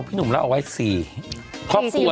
พี่หนุ่มเล่าเอาไว้๔ครอบครัว